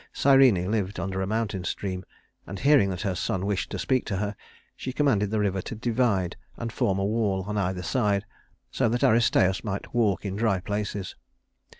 Cyrene lived under a mountain stream; and, hearing that her son wished to speak to her, she commanded the river to divide and form a wall on either side, so that Aristæus might walk in dry places.